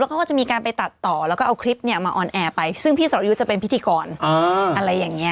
เขาก็จะมีการไปตัดต่อแล้วก็เอาคลิปเนี่ยมาออนแอร์ไปซึ่งพี่สรยุทธ์จะเป็นพิธีกรอะไรอย่างนี้